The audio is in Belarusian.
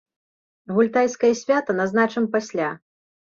Гультайскае свята назначым пасля.